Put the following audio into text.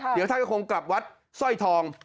เดี๋ยวท่านก็คงกลับวัดสร้อยทอง